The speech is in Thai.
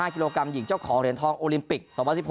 กิโลกรัมหญิงเจ้าของเหรียญทองโอลิมปิก๒๐๑๖